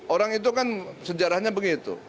orang itu kan sejarahnya begitu